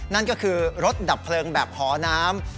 นั่นก็คือรถดับเพลิงแบบหอน้ำ